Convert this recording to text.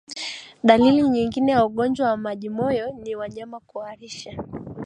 Dalili nyingine ya ugonjwa wa majimoyo ni wanyama kuharisha